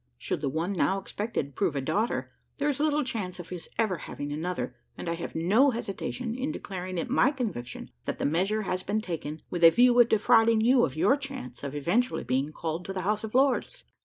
Should the one now expected prove a daughter, there is little chance of his ever having another and I have no hesitation in declaring it my conviction, that the measure has been taken with a view of defrauding you of your chance of eventually being called to the House of Lords."